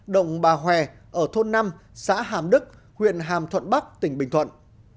động bà hòe ở thôn năm xã hàm đức huyện hàm thuận bắc tỉnh bình thuận